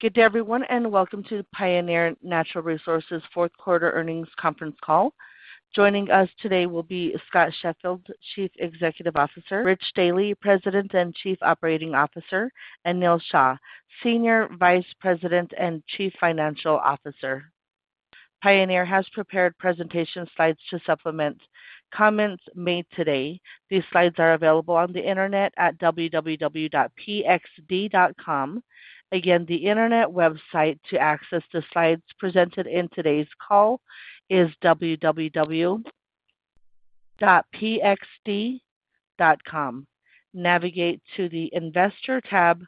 Good day, everyone, and welcome to Pioneer Natural Resources' fourth quarter earnings conference call. Joining us today will be Scott Sheffield, Chief Executive Officer, Rich Dealy, President and Chief Operating Officer, and Neal Shah, Senior Vice President and Chief Financial Officer. Pioneer has prepared presentation slides to supplement comments made today. These slides are available on the internet at www.pxd.com. Again, the internet website to access the slides presented in today's call is www.pxd.com. Navigate to the Investor tab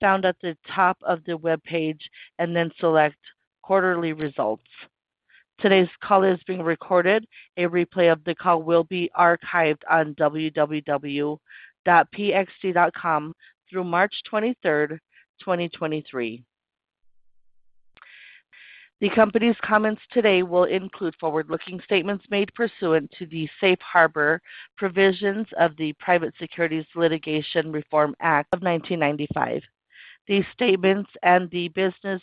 found at the top of the webpage and then select Quarterly Results. Today's call is being recorded. A replay of the call will be archived on www.pxd.com through March 23rd, 2023. The company's comments today will include forward-looking statements made pursuant to the Safe Harbor provisions of the Private Securities Litigation Reform Act of 1995. These statements and the business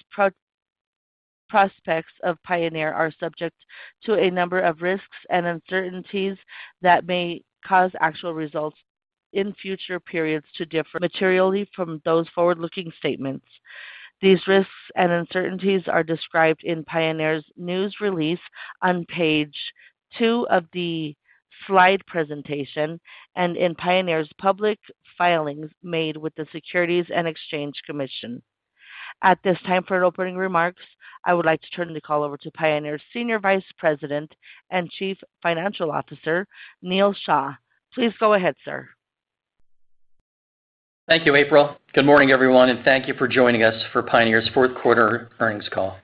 prospects of Pioneer are subject to a number of risks and uncertainties that may cause actual results in future periods to differ materially from those forward-looking statements. These risks and uncertainties are described in Pioneer's news release on page two of the slide presentation and in Pioneer's public filings made with the Securities and Exchange Commission. At this time, for opening remarks, I would like to turn the call over to Pioneer's Senior Vice President and Chief Financial Officer, Neal Shah. Please go ahead, sir. Thank you, April. Good morning, everyone, thank you for joining us for Pioneer's fourth quarter earnings call.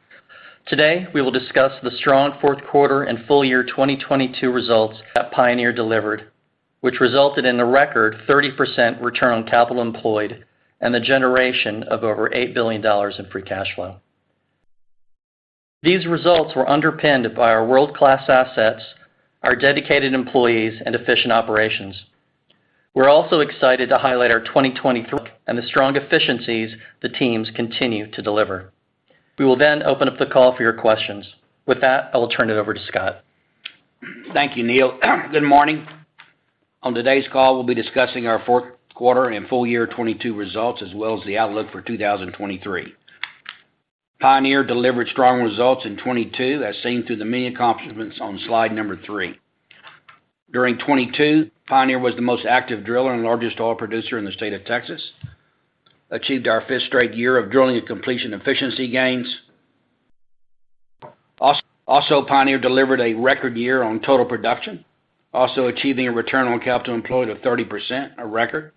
Today, we will discuss the strong fourth quarter and full year 2022 results that Pioneer delivered, which resulted in a record 30% return on capital employed and the generation of over $8 billion in free cash flow. These results were underpinned by our world-class assets, our dedicated employees, and efficient operations. We're also excited to highlight our 2023 and the strong efficiencies the teams continue to deliver. We will open up the call for your questions. With that, I will turn it over to Scott. Thank you, Neal. Good morning. On today's call, we'll be discussing our fourth quarter and full year 2022 results, as well as the outlook for 2023. Pioneer delivered strong results in 2022 as seen through the many accomplishments on slide number three. During 2022, Pioneer was the most active driller and largest oil producer in the state of Texas, achieved our fifth straight year of drilling and completion efficiency gains. Also, Pioneer delivered a record year on total production, also achieving a return on capital employed of 30%, a record,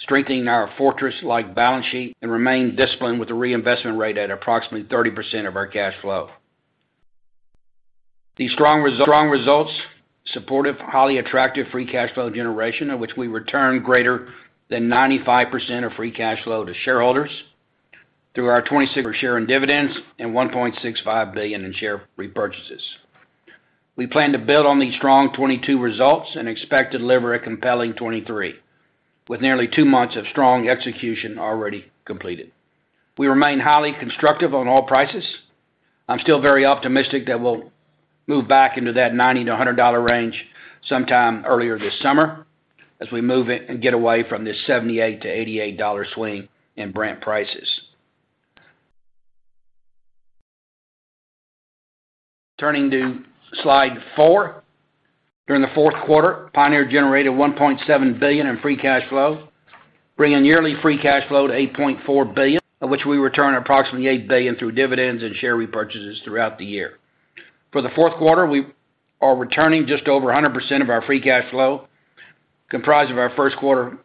strengthening our fortress-like balance sheet and remain disciplined with the reinvestment rate at approximately 30% of our cash flow. These strong results supported highly attractive free cash flow generation, of which we return greater than 95% of free cash flow to shareholders through our $26 per share in dividends and $1.65 billion in share repurchases. We plan to build on these strong 2022 results and expect to deliver a compelling 2023, with nearly two months of strong execution already completed. We remain highly constructive on oil prices. I'm still very optimistic that we'll move back into that $90-$100 range sometime earlier this summer as we move it and get away from this $78-$88 swing in Brent prices. Turning to slide four. During the fourth quarter, Pioneer generated $1.7 billion in free cash flow, bringing yearly free cash flow to $8.4 billion, of which we return approximately $8 billion through dividends and share repurchases throughout the year. For the fourth quarter, we are returning just over 100% of our free cash flow, comprised of our first quarter-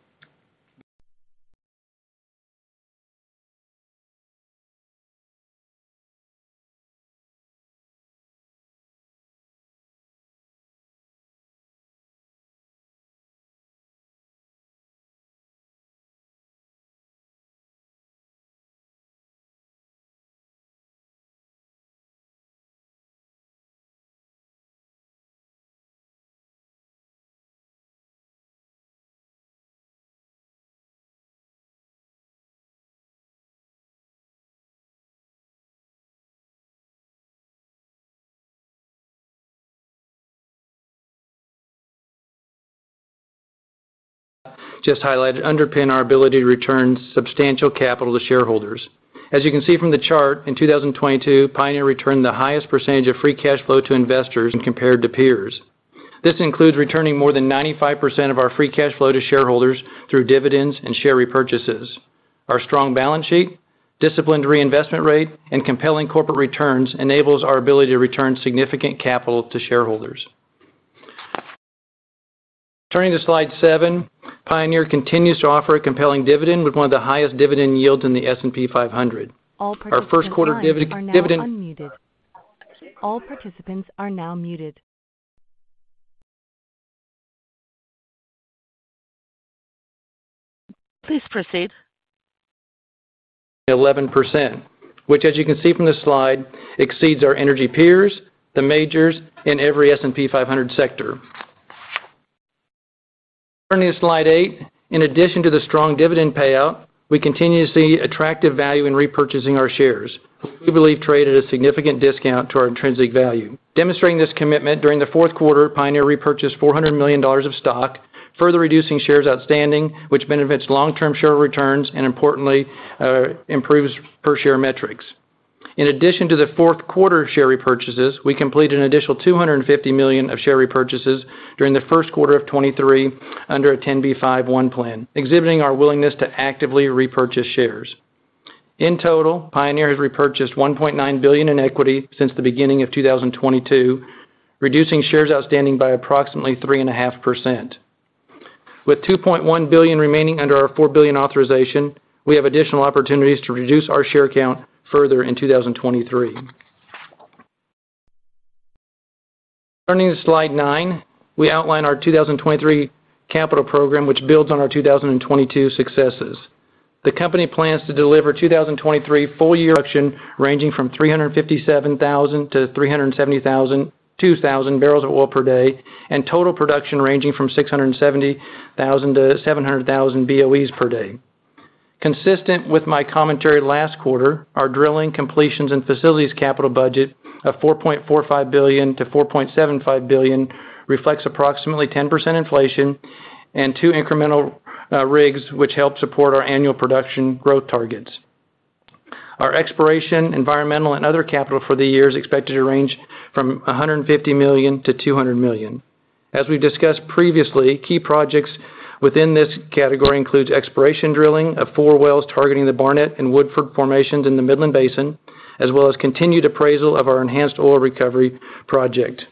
Just highlighted, underpin our ability to return substantial capital to shareholders. As you can see from the chart, in 2022, Pioneer returned the highest percentage of free cash flow to investors when compared to peers. This includes returning more than 95% of our free cash flow to shareholders through dividends and share repurchases. Our strong balance sheet, disciplined reinvestment rate, and compelling corporate returns enables our ability to return significant capital to shareholders. Turning to slide seven, Pioneer continues to offer a compelling dividend with one of the highest dividend yields in the S&P 500. Our first quarter dividend. All participants are now unmuted. All participants are now muted. Please proceed. 11%, which as you can see from the slide, exceeds our energy peers, the majors, and every S&P 500 sector. Turning to slide eight. In addition to the strong dividend payout, we continue to see attractive value in repurchasing our shares, who we believe trade at a significant discount to our intrinsic value. Demonstrating this commitment, during the fourth quarter, Pioneer repurchased $400 million of stock, further reducing shares outstanding, which benefits long-term share returns and importantly, improves per-share metrics. In addition to the fourth quarter share repurchases, we completed an additional $250 million of share repurchases during the first quarter of 2023 under a 10b5-1 plan, exhibiting our willingness to actively repurchase shares. In total, Pioneer has repurchased $1.9 billion in equity since the beginning of 2022, reducing shares outstanding by approximately 3.5%. With $2.1 billion remaining under our $4 billion authorization, we have additional opportunities to reduce our share count further in 2023. Turning to slide nine, we outline our 2023 capital program, which builds on our 2022 successes. The company plans to deliver 2023 full year production ranging from 357,000-372,000 barrels of oil per day, and total production ranging from 670,000-700,000 BOEs per day. Consistent with my commentary last quarter, our drilling completions and facilities capital budget of $4.45 billion-$4.75 billion reflects approximately 10% inflation and two incremental rigs which help support our annual production growth targets. Our exploration, environmental, and other capital for the year is expected to range from $150 million-$200 million. As we've discussed previously, key projects within this category includes exploration drilling of four wells targeting the Barnett and Woodford formations in the Midland Basin, as well as continued appraisal of our enhanced oil recovery project.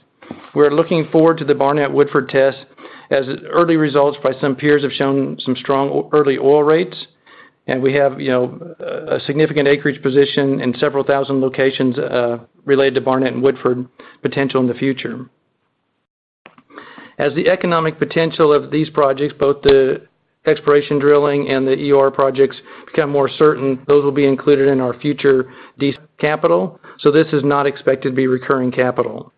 We're looking forward to the Barnett-Woodford test, as early results by some peers have shown some strong early oil rates, and we have, you know, a significant acreage position in several thousand locations related to Barnett and Woodford potential in the future. As the economic potential of these projects, both the exploration drilling and the EOR projects become more certain, those will be included in our future capital, so this is not expected to be recurring capital.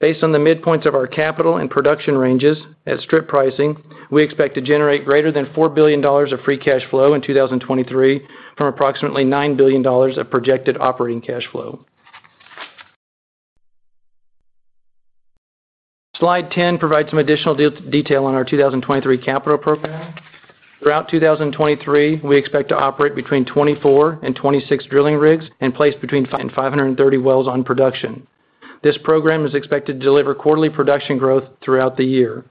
Based on the midpoints of our capital and production ranges at strip pricing, we expect to generate greater than $4 billion of free cash flow in 2023 from approximately $9 billion of projected operating cash flow. Slide 10 provides some additional detail on our 2023 capital program. Throughout 2023, we expect to operate between 24 and 26 drilling rigs and place between 500 and 530 wells on production. This program is expected to deliver quarterly production growth throughout the year.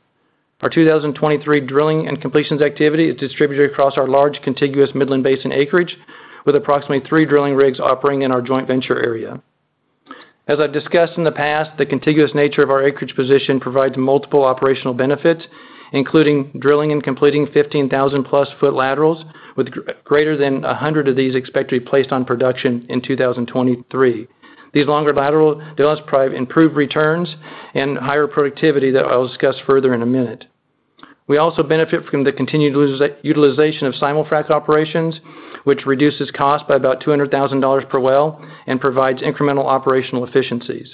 Our 2023 drilling and completions activity is distributed across our large contiguous Midland Basin acreage, with approximately three drilling rigs operating in our joint venture area. As I've discussed in the past, the contiguous nature of our acreage position provides multiple operational benefits, including drilling and completing 15,000-plus-foot laterals, with greater than 100 of these expected to be placed on production in 2023. These longer lateral does provide improved returns and higher productivity that I will discuss further in a minute. We also benefit from the continued utilization of simulfrac operations, which reduces cost by about $200,000 per well and provides incremental operational efficiencies.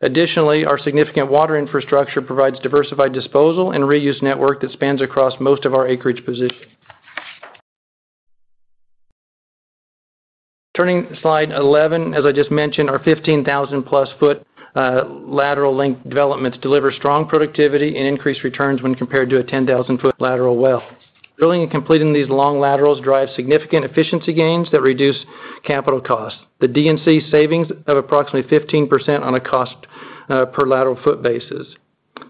Additionally, our significant water infrastructure provides diversified disposal and reuse network that spans across most of our acreage position. Turning to slide 11. As I just mentioned, our 15,000+ foot lateral length developments deliver strong productivity and increased returns when compared to a 10,000-foot lateral well. Drilling and completing these long laterals drive significant efficiency gains that reduce capital costs, the D&C savings of approximately 15% on a cost per lateral foot basis.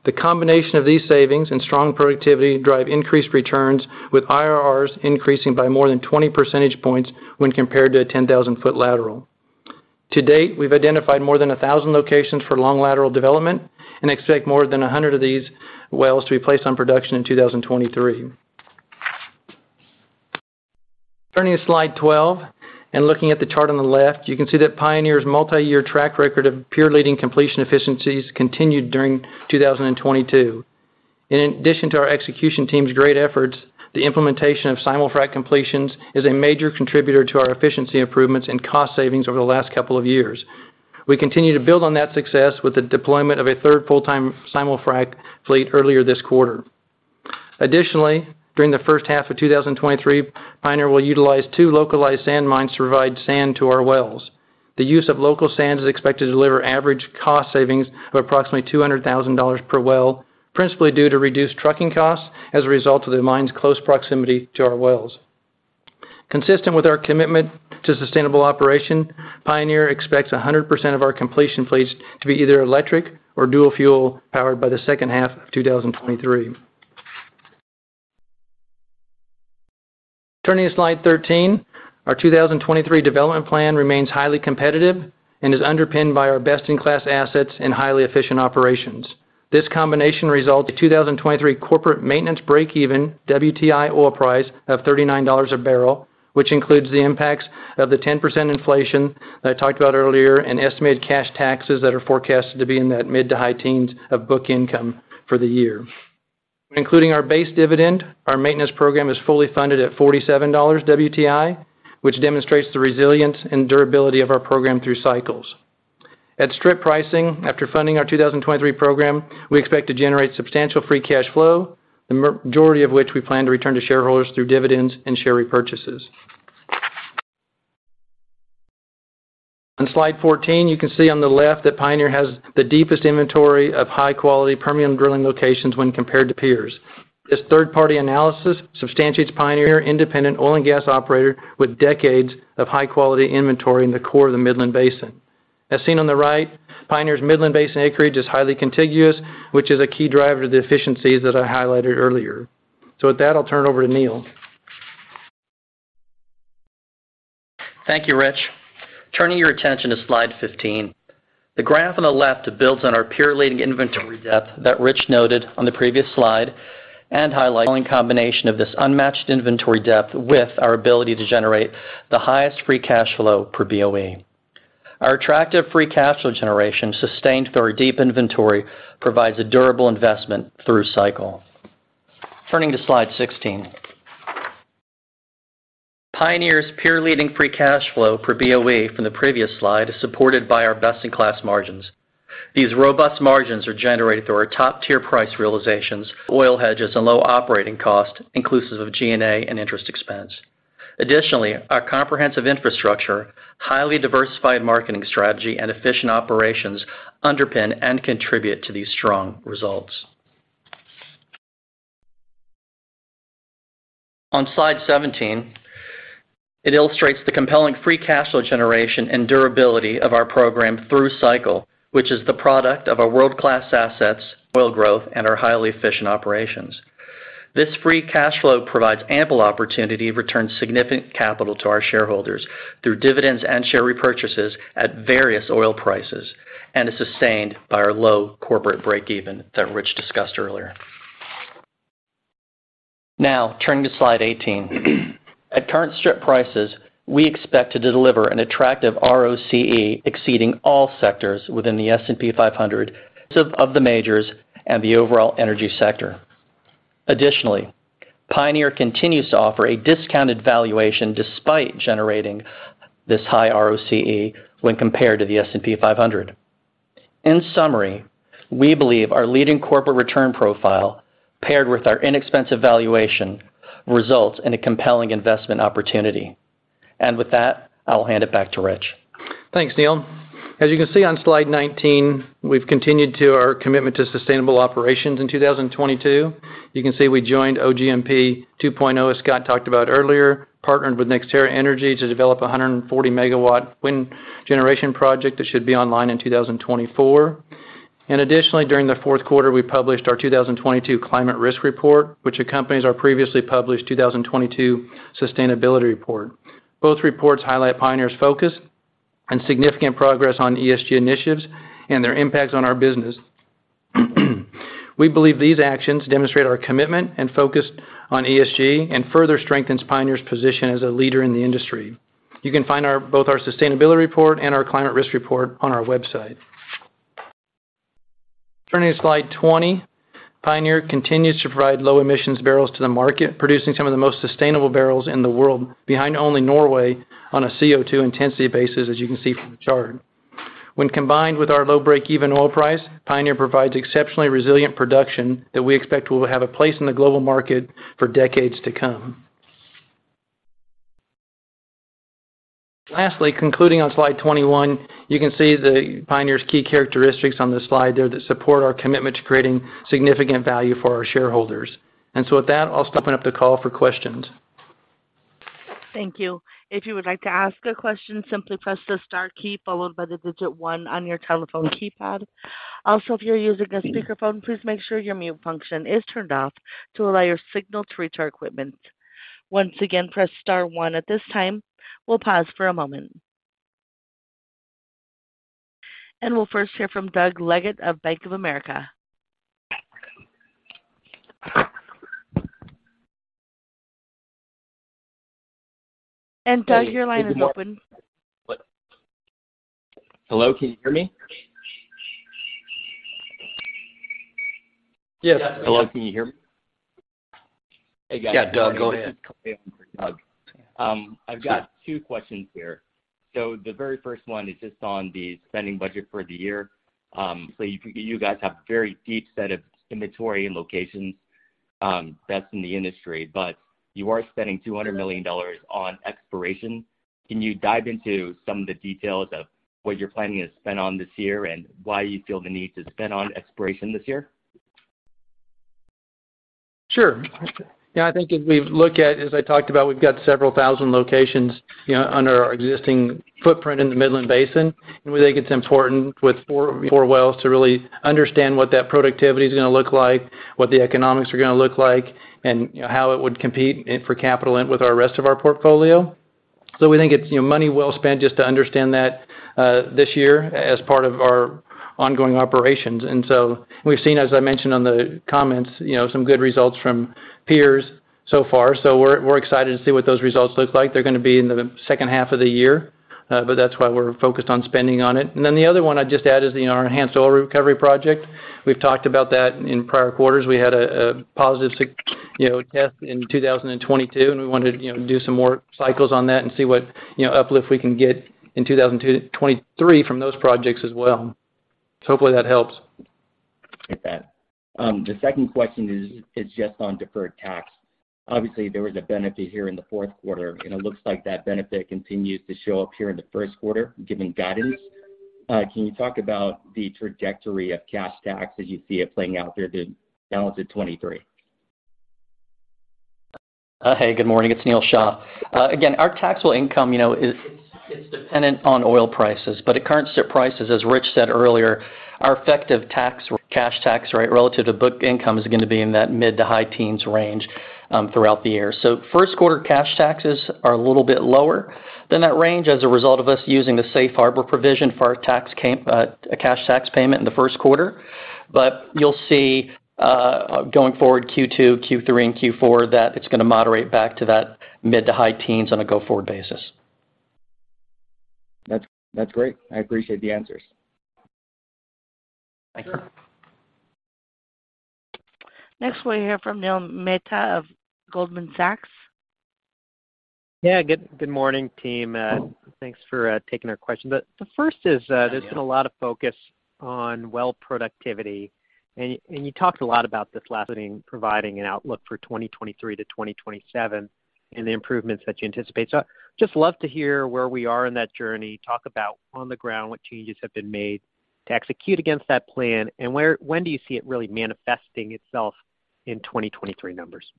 The combination of these savings and strong productivity drive increased returns, with IRRs increasing by more than 20 percentage points when compared to a 10,000-foot lateral. To date, we've identified more than 1,000 locations for long lateral development and expect more than 100 of these wells to be placed on production in 2023. Turning to slide 12 and looking at the chart on the left, you can see that Pioneer's multi-year track record of peer-leading completion efficiencies continued during 2022. In addition to our execution team's great efforts, the implementation of simulfrac completions is a major contributor to our efficiency improvements and cost savings over the last couple of years. We continue to build on that success with the deployment of a third full-time simulfrac fleet earlier this quarter. Additionally, during the first half of 2023, Pioneer will utilize two localized sand mines to provide sand to our wells. The use of local sands is expected to deliver average cost savings of approximately $200,000 per well, principally due to reduced trucking costs as a result of the mine's close proximity to our wells. Consistent with our commitment to sustainable operation, Pioneer expects 100% of our completion fleets to be either electric or dual fuel powered by the second half of 2023. Turning to slide 13, our 2023 development plan remains highly competitive and is underpinned by our best-in-class assets and highly efficient operations. This combination results in 2023 corporate maintenance breakeven WTI oil price of $39 a barrel, which includes the impacts of the 10% inflation that I talked about earlier and estimated cash taxes that are forecasted to be in that mid to high teens of book income for the year. Including our base dividend, our maintenance program is fully funded at $47 WTI, which demonstrates the resilience and durability of our program through cycles. At strip pricing, after funding our 2023 program, we expect to generate substantial free cash flow, the majority of which we plan to return to shareholders through dividends and share repurchases. On slide 14, you can see on the left that Pioneer has the deepest inventory of high-quality premium drilling locations when compared to peers. This third-party analysis substantiates Pioneer independent oil and gas operator with decades of high-quality inventory in the core of the Midland Basin. As seen on the right, Pioneer's Midland Basin acreage is highly contiguous, which is a key driver to the efficiencies that I highlighted earlier. With that, I'll turn it over to Neal. Thank you, Rich. Turning your attention to slide 15. The graph on the left builds on our peer-leading inventory depth that Rich noted on the previous slide and highlights the compelling combination of this unmatched inventory depth with our ability to generate the highest free cash flow per BOE. Our attractive free cash flow generation sustained through our deep inventory provides a durable investment through cycle. Turning to slide 16. Pioneer's peer-leading free cash flow per BOE from the previous slide is supported by our best-in-class margins. These robust margins are generated through our top-tier price realizations, oil hedges, and low operating cost, inclusive of G&A and interest expense. Our comprehensive infrastructure, highly diversified marketing strategy, and efficient operations underpin and contribute to these strong results. On slide 17, it illustrates the compelling free cash flow generation and durability of our program through cycle, which is the product of our world-class assets, oil growth, and our highly efficient operations. This free cash flow provides ample opportunity to return significant capital to our shareholders through dividends and share repurchases at various oil prices, and is sustained by our low corporate break even that Rich discussed earlier. Turning to slide 18. At current strip prices, we expect to deliver an attractive ROCE exceeding all sectors within the S&P 500 of the majors and the overall energy sector. Additionally, Pioneer continues to offer a discounted valuation despite generating this high ROCE when compared to the S&P 500. In summary, we believe our leading corporate return profile paired with our inexpensive valuation results in a compelling investment opportunity. With that, I'll hand it back to Rich. Thanks, Neal. As you can see on slide 19, we've continued to our commitment to sustainable operations in 2022. You can see we joined OGMP 2.0, as Scott talked about earlier, partnered with NextEra Energy to develop a 140-megawatt wind generation project that should be online in 2024. Additionally, during the fourth quarter, we published our 2022 climate risk report, which accompanies our previously published 2022 sustainability report. Both reports highlight Pioneer's focus and significant progress on ESG initiatives and their impacts on our business. We believe these actions demonstrate our commitment and focus on ESG and further strengthens Pioneer's position as a leader in the industry. You can find both our sustainability report and our climate risk report on our website. Turning to slide 20. Pioneer continues to provide low emissions barrels to the market, producing some of the most sustainable barrels in the world, behind only Norway on a CO2 intensity basis, as you can see from the chart. When combined with our low break-even oil price, Pioneer provides exceptionally resilient production that we expect will have a place in the global market for decades to come. Lastly, concluding on slide 21, you can see Pioneer's key characteristics on this slide there that support our commitment to creating significant value for our shareholders. With that, I'll open up the call for questions. Thank you. If you would like to ask a question, simply press the star key followed by the digit one on your telephone keypad. Also, if you're using a speakerphone, please make sure your mute function is turned off to allow your signal to reach our equipment. Once again, press star one at this time. We'll pause for a moment. We'll first hear from Doug Leggate of Bank of America. Doug, your line is open. Hello, can you hear me? Yes. Hello, can you hear me? Hey, guys. Yeah, Doug, go ahead. I've got two questions here. The very first one is just on the spending budget for the year. You guys have a very deep set of inventory and locations, best in the industry, but you are spending $200 million on exploration. Can you dive into some of the details of what you're planning to spend on this year and why you feel the need to spend on exploration this year? Sure. I think as we've looked at, as I talked about, we've got several thousand locations, you know, under our existing footprint in the Midland Basin, we think it's important with four wells to really understand what that productivity is gonna look like, what the economics are gonna look like, and, you know, how it would compete for capital and with our rest of our portfolio. We think it's, you know, money well spent just to understand that this year as part of our ongoing operations. We've seen, as I mentioned on the comments, you know, some good results from peers so far. We're, we're excited to see what those results look like. They're gonna be in the second half of the year, that's why we're focused on spending on it. The other one I'd just add is, you know, our enhanced oil recovery project. We've talked about that in prior quarters. We had a positive, you know, test in 2022, and we wanted, you know, to do some more cycles on that and see what, you know, uplift we can get in 2023 from those projects as well. Hopefully that helps. Appreciate that. The second question is just on deferred tax. Obviously, there was a benefit here in the fourth quarter, and it looks like that benefit continues to show up here in the first quarter, given guidance. Can you talk about the trajectory of cash tax as you see it playing out there to balance of 2023? Hey, good morning. It's Neal Shah. Again, our taxable income, you know, it's dependent on oil prices. At current prices, as Rich said earlier, our effective tax, cash tax rate relative to book income is gonna be in that mid to high teens range throughout the year. First quarter cash taxes are a little bit lower than that range as a result of us using the Safe Harbor provision for our cash tax payment in the first quarter. You'll see going forward, Q2, Q3, and Q4, that it's gonna moderate back to that mid to high teens on a go-forward basis. That's great. I appreciate the answers. Thank you. Next, we hear from Neil Mehta of Goldman Sachs. Yeah. Good morning, team. Thanks for taking our question. The first is, there's been a lot of focus on well productivity, and you talked a lot about this last meeting, providing an outlook for 2023 to 2027 and the improvements that you anticipate. Just love to hear where we are in that journey. Talk about on the ground, what changes have been made to execute against that plan, and when do you see it really manifesting itself in 2023 numbers?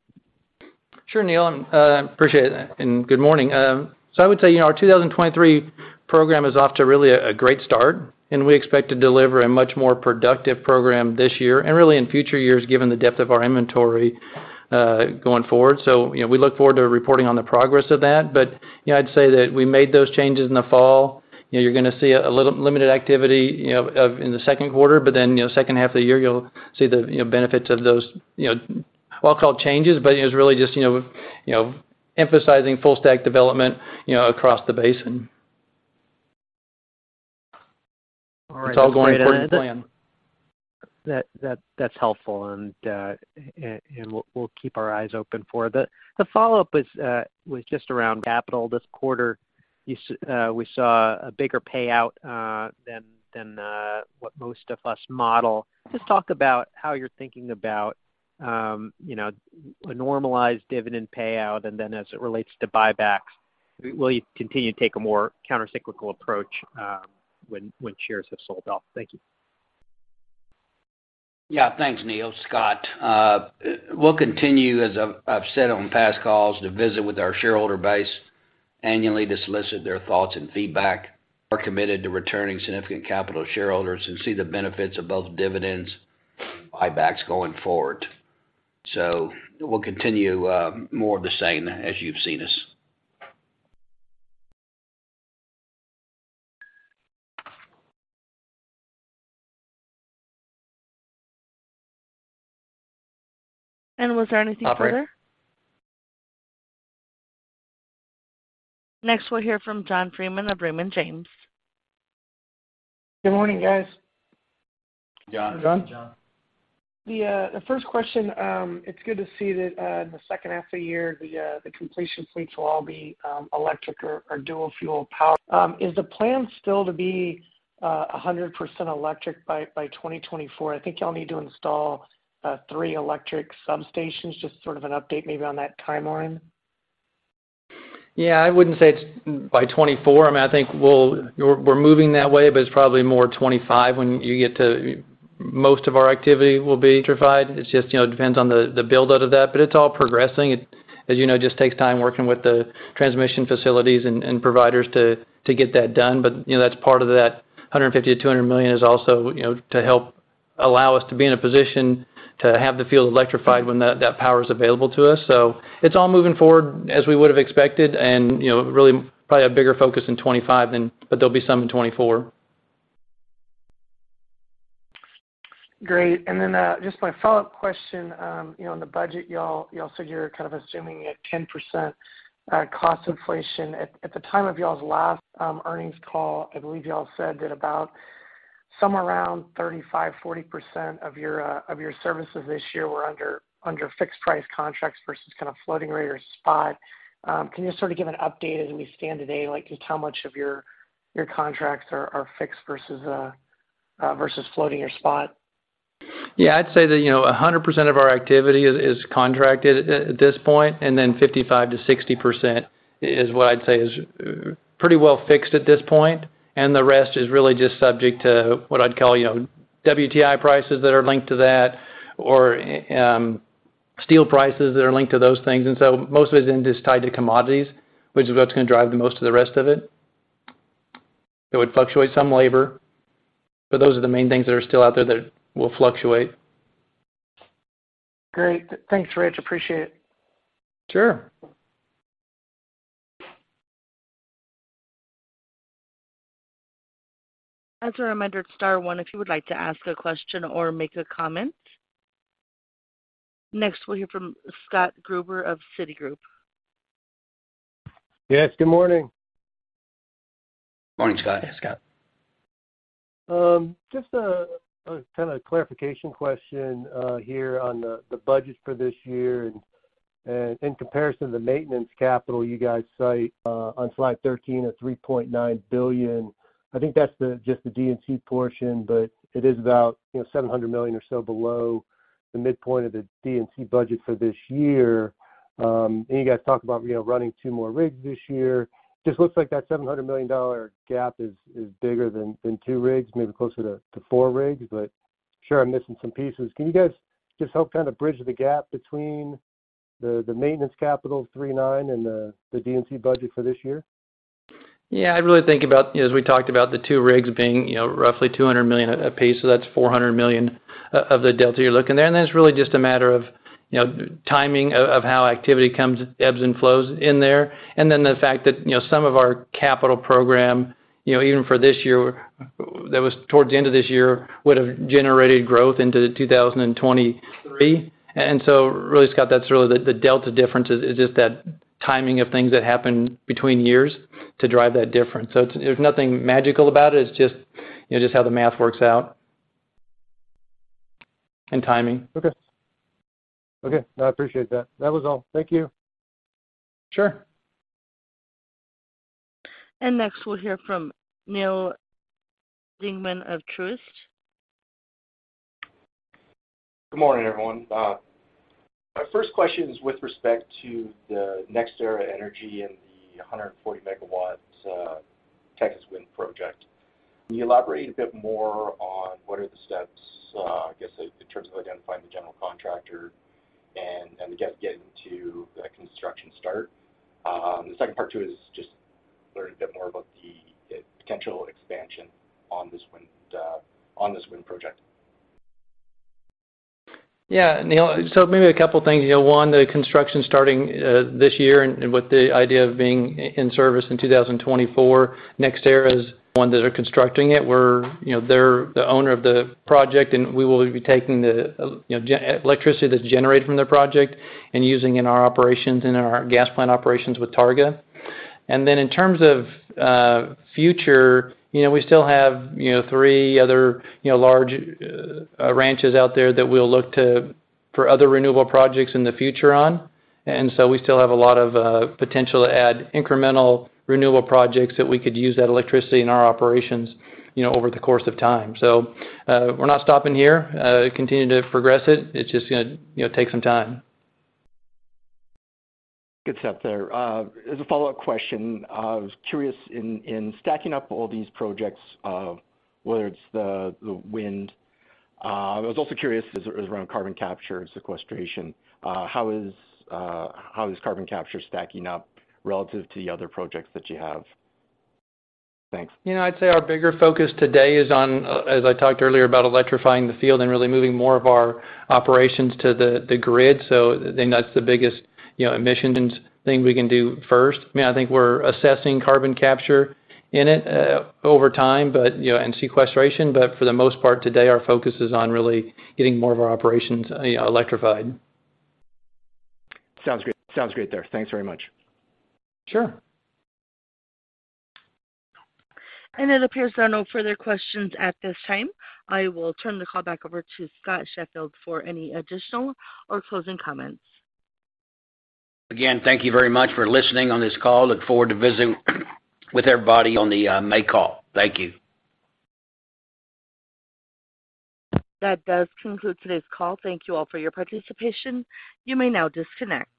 Sure, Neil. Appreciate it and good morning. I would say, you know, our 2023 program is off to really a great start, and we expect to deliver a much more productive program this year and really in future years, given the depth of our inventory going forward. We look forward to reporting on the progress of that. I'd say that we made those changes in the fall. You know, you're gonna see a limited activity in the second quarter, but then, you know, second half of the year, you'll see the, you know, benefits of those, you know, well, called changes. It's really just, you know, emphasizing full stack development, you know, across the basin. All right. It's all going according to plan. That's helpful. We'll keep our eyes open for that. The follow-up is just around capital this quarter. You saw a bigger payout than what most of us model. Just talk about how you're thinking about, you know, a normalized dividend payout, and then as it relates to buybacks, will you continue to take a more countercyclical approach when shares have sold off? Thank you. Yeah. Thanks, Neil. Scott, we'll continue, as I've said on past calls, to visit with our shareholder base annually to solicit their thoughts and feedback. We're committed to returning significant capital to shareholders and see the benefits of both dividends and buybacks going forward. We'll continue, more of the same as you've seen us. Was there anything further? Next, we'll hear from John Freeman of Raymond James. Good morning, guys. John. John. The first question. It's good to see that in the second half of the year, the completion fleets will all be electric or dual fuel power. Is the plan still to be 100% electric by 2024? I think y'all need to install three electric substations. Just sort of an update maybe on that timeline. Yeah, I wouldn't say it's by 2024. I mean, I think we're moving that way, but it's probably more 2025 when you get to. Most of our activity will be electrified. It's just, you know, depends on the build of that, but it's all progressing. It, as you know, just takes time working with the transmission facilities and providers to get that done. You know, that's part of that $150 million-$200 million is also, you know, to help allow us to be in a position to have the field electrified when that power is available to us. It's all moving forward as we would've expected and, you know, really probably a bigger focus in 2025 than. There'll be some in 2024. Great. Just my follow-up question, you know, in the budget, y'all said you're kind of assuming a 10% cost inflation. At the time of y'all's last earnings call, I believe y'all said that about somewhere around 35%-40% of your services this year were under fixed price contracts versus kind of floating rate or spot. Can you sort of give an update as we stand today, like, just how much of your contracts are fixed versus floating or spot? Yeah. I'd say that, you know, 100% of our activity is contracted at this point, and then 55%-60% is what I'd say is pretty well fixed at this point. The rest is really just subject to what I'd call, you know, WTI prices that are linked to that or steel prices that are linked to those things. Most of it is then just tied to commodities, which is what's gonna drive the most of the rest of it. It would fluctuate some labor, but those are the main things that are still out there that will fluctuate. Great. Thanks, Rich. Appreciate it. Sure. As a reminder, star one if you would like to ask a question or make a comment. Next, we'll hear from Scott Gruber of Citigroup. Yes, good morning. Morning, Scott. Scott. Just a kinda clarification question here on the budget for this year and In comparison to the maintenance capital you guys cite on slide 13 of $3.9 billion, I think that's the just the D&C portion, but it is about, you know, $700 million or so below the midpoint of the D&C budget for this year. You guys talk about, you know, running two more rigs this year. Just looks like that $700 million gap is bigger than two rigs, maybe closer to four rigs. I'm sure I'm missing some pieces. Can you guys just help kind of bridge the gap between the maintenance capital of $3.9 and the D&C budget for this year? Yeah, I really think about, you know as we talked about the two rigs being, you know, roughly $200 million a piece, so that's $400 million of the delta you're looking there. That's really just a matter of, you know, timing of how activity comes, ebbs and flows in there. Then the fact that, you know, some of our capital program, you know, even for this year, that was towards the end of this year, would have generated growth into 2023. Really, Scott, that's really the delta difference is just that timing of things that happen between years to drive that difference. There's nothing magical about it. It's just, you know, just how the math works out and timing. Okay. Okay, no, I appreciate that. That was all. Thank you. Sure. Next, we'll hear from Neal Dingmann of Truist. Good morning, everyone. My first question is with respect to the NextEra Energy and the 140 MW, Texas Wind project. Can you elaborate a bit more on what are the steps, I guess in terms of identifying the general contractor and I guess getting to the construction start? The second part too is just to learn a bit more about the potential expansion on this wind project. Neal, maybe a couple things. You know, one, the construction starting this year and with the idea of being in service in 2024. NextEra is the one that are constructing it. We're, you know, they're the owner of the project, and we will be taking the, you know, electricity that's generated from the project and using in our operations and in our gas plant operations with Targa. In terms of future, you know, we still have, you know, three other, you know, large ranches out there that we'll look to for other renewable projects in the future on. We still have a lot of potential to add incremental renewable projects that we could use that electricity in our operations, you know, over the course of time. We're not stopping here, continuing to progress it. It's just going to, you know, take some time. Good stuff there. As a follow-up question, I was curious in stacking up all these projects, whether it's the wind. I was also curious as around carbon capture and sequestration. How is carbon capture stacking up relative to the other projects that you have? Thanks. You know, I'd say our bigger focus today is on as I talked earlier about electrifying the field and really moving more of our operations to the grid. I think that's the biggest, you know, emissions thing we can do first. I mean, I think we're assessing carbon capture in it over time, but, you know, and sequestration. For the most part today, our focus is on really getting more of our operations, you know, electrified. Sounds great. Sounds great there. Thanks very much. Sure. It appears there are no further questions at this time. I will turn the call back over to Scott Sheffield for any additional or closing comments. Again, thank you very much for listening on this call. Look forward to visiting with everybody on the May call. Thank you. That does conclude today's call. Thank you all for your participation. You may now disconnect.